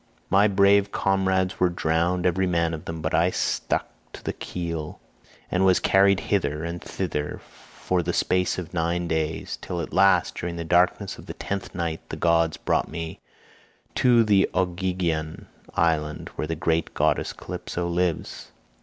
My brave comrades were drowned every man of them, but I stuck to the keel and was carried hither and thither for the space of nine days, till at last during the darkness of the tenth night the gods brought me to the Ogygian island where the great goddess Calypso lives.